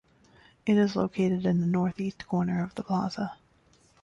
It is located in the northeast corner of the Plaza.